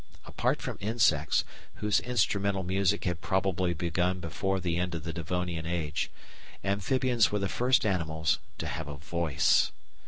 Apart from insects, whose instrumental music had probably begun before the end of the Devonian age, amphibians were the first animals to have a voice.